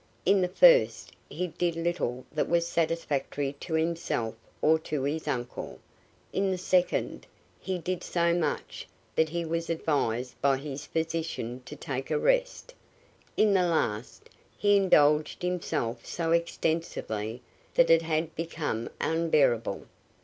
In the first, he did little that was satisfactory to himself or to his uncle; in the second, he did so much that he was advised by his physician to take a rest; in the last, he indulged himself so extensively that it had become unbearable.